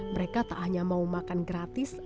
mereka tak hanya mau makan gratis